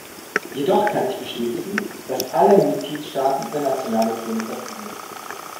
Jedoch kann ich bestätigen, dass alle Mitgliedstaaten über nationale Pläne verfügen.